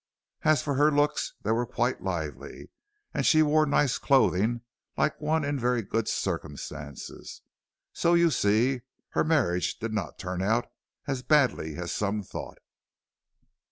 As for her looks, they were quite lively, and she wore nice clothing like one in very good circumstances. So you see her marriage did not turn out as badly as some thought."